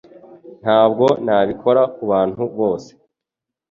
Ntabwo nabikora kubantu bose